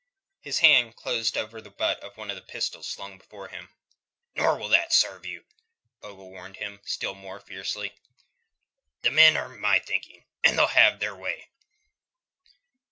His hand closed over the butt of one of the pistols slung before him. "Nor will that serve you," Ogle warned him, still more fiercely. "The men are of my thinking, and they'll have their way."